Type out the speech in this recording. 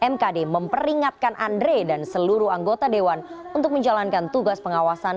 mkd memperingatkan andre dan seluruh anggota dewan untuk menjalankan tugas pengawasan